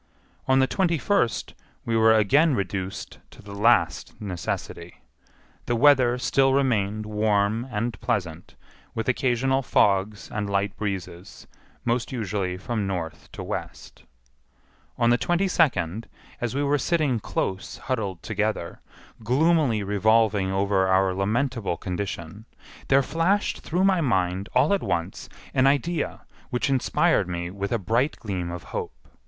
On the twenty first we were again reduced to the last necessity. The weather still remained warm and pleasant, with occasional fogs and light breezes, most usually from N. to W. On the twenty second, as we were sitting close huddled together, gloomily revolving over our lamentable condition, there flashed through my mind all at once an idea which inspired me with a bright gleam of hope.